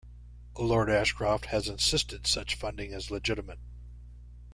Lord Ashcroft has insisted such funding is legitimate.